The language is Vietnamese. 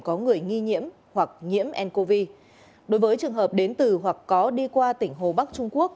có người nghi nhiễm hoặc nhiễm ncov đối với trường hợp đến từ hoặc có đi qua tỉnh hồ bắc trung quốc